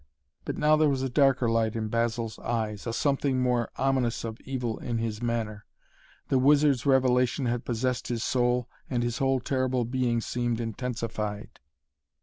But now there was a darker light in Basil's eyes, a something more ominous of evil in his manner. The wizard's revelation had possessed his soul and his whole terrible being seemed intensified.